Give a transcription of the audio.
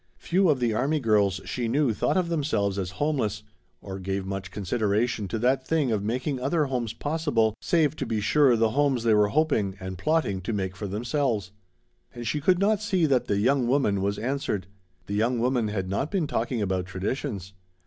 Few of the army girls she knew thought of themselves as homeless, or gave much consideration to that thing of making other homes possible, save, to be sure, the homes they were hoping and plotting to make for themselves. And she could not see that the "young woman" was answered. The young woman had not been talking about traditions.